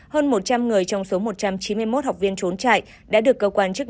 hơn một trăm linh người trong số một trăm chín mươi một học viên trốn chạy đã được cơ quan chức